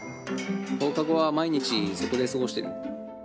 放課後は毎日そこで過ごしてる。